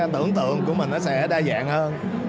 tưởng tượng của mình nó sẽ đa dạng hơn